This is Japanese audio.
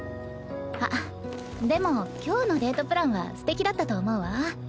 あっでも今日のデートプランはすてきだったと思うわ。